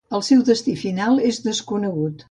El seu destí final és desconegut.